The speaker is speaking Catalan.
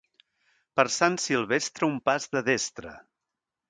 Per Sant Silvestre, un pas de destre.